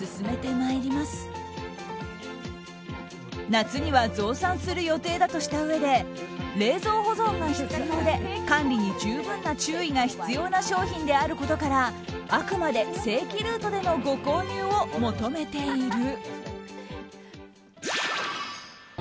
夏には増産する予定だとしたうえで冷蔵保存が必要で管理に十分な注意が必要な商品であることからあくまで正規ルートでのご購入を求めている。